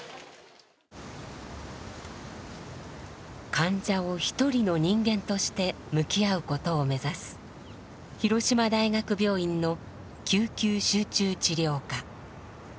患者を一人の人間として向き合うことを目指す広島大学病院の救急集中治療科。